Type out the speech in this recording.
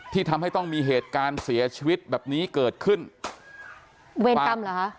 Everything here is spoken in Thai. ที่ทำให้ต้องมีเหตุการณ์เสียชีวิตแบบนี้เกิดขึ้นเวรกรรมเหรอคะ